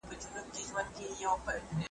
زما یې په نصیب لیکلی دار دی بیا به نه وینو `